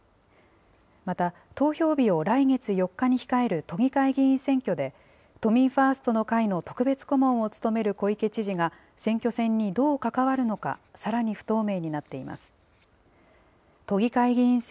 また投票日を来月４日に控える都議会議員選挙で、都民ファーストの会の特別顧問を務める小池知事が選挙戦にどう関わるのか、さらに不透明になっています。